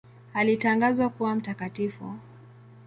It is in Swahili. Alitangazwa kuwa mtakatifu.